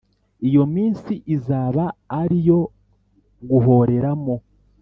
iyo minsi izaba ari iyo guhoreramo